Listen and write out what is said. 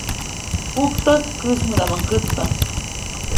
Juktäjk käjsmädaʼmuŋ kätpa.